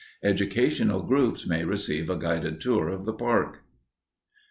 Educational groups may receive a guided tour of the park.